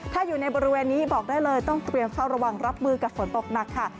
ถ้าอยู่ในบริเวณนี้บอกได้เลยต้องเตรียมเฝ้าระวังรับมือกับฝนตกหนักค่ะ